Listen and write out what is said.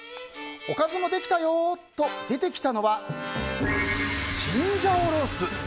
おかずもできたよ！と出てきたのはチンジャオロース。